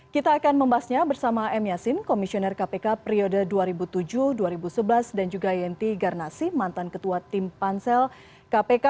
kita akan membahasnya bersama m yasin komisioner kpk periode dua ribu tujuh dua ribu sebelas dan juga yenti garnasi mantan ketua tim pansel kpk